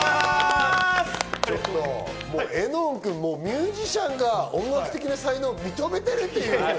ちょっと絵音君、ミュージシャンが音楽的な才能を認めてるっていう。